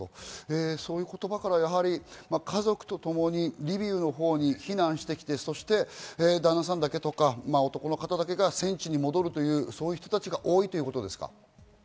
そういう言葉から家族とともにリビウのほうに避難してきて、そして旦那さんだけとか男の方だけが戦地に戻るという、そういう人たちが多いということですか？